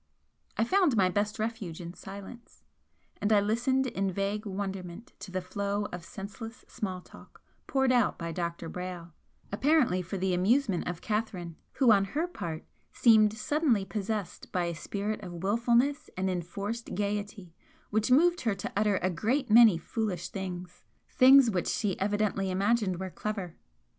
I found my best refuge in silence, and I listened in vague wonderment to the flow of senseless small talk poured out by Dr. Brayle, apparently for the amusement of Catherine, who on her part seemed suddenly possessed by a spirit of wilfulness and enforced gaiety which moved her to utter a great many foolish things, things which she evidently imagined were clever.